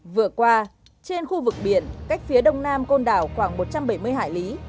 vừa qua trên khu vực biển cách phía đông nam côn đảo khoảng một trăm bảy mươi hải lý